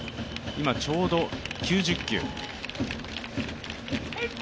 今、ちょうど９０球。